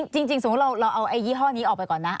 จริงสมมุติเราเอายี่ห้อนี้ออกไปก่อนนะ